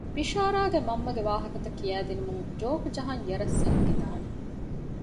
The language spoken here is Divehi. ބިޝާރާގެ މަންމަގެ ވާހަކަތައް ކިޔައިދިނުމުން ޖޯކް ޖަހަން ޔަރަސް އަށް އެނގިދާނެ